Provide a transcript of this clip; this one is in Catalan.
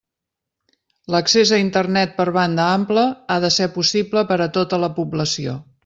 L'accés a Internet per banda ampla ha de ser possible per a tota la població.